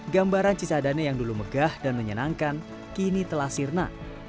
gambaran cisadane yang dulu megah dan menyenangkan kini telah sirna